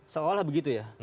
seolah begitu ya